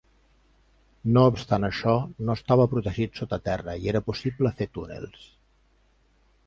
No obstant això, no estava protegit sota terra i era possible fer túnels.